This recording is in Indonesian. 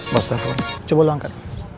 bawah sudah coba lo angkat